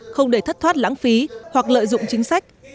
không để thất thoát lãng phí hoặc lợi dụng chính sách